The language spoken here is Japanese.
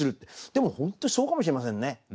でも本当にそうかもしれませんね。